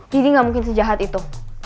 gini gak mungkin sejahat itu